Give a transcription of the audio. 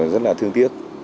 rất là thương tiếc